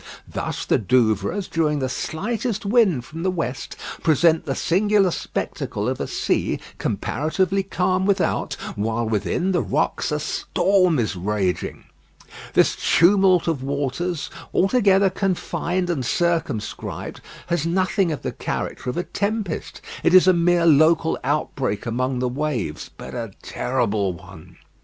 Thus the Douvres, during the slightest wind from the west, present the singular spectacle of a sea comparatively calm without, while within the rocks a storm is raging. This tumult of waters, altogether confined and circumscribed, has nothing of the character of a tempest. It is a mere local outbreak among the waves, but a terrible one.